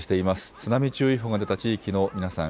津波注意報が出た地域の皆さん